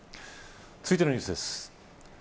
続いてのニュースです。